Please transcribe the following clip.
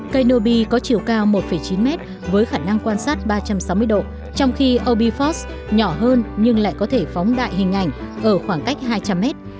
k nobi có chiều cao một chín mét với khả năng quan sát ba trăm sáu mươi độ trong khi obifox nhỏ hơn nhưng lại có thể phóng đại hình ảnh ở khoảng cách hai trăm linh mét